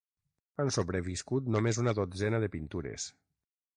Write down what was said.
Han sobreviscut només una dotzena de pintures.